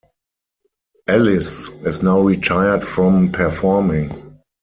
Ellis is now retired from performing.